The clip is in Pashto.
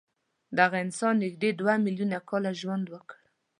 دغه انسان نږدې دوه میلیونه کاله ژوند وکړ.